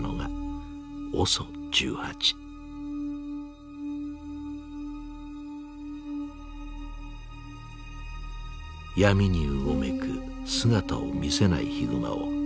闇にうごめく姿を見せないヒグマを人々は恐れた。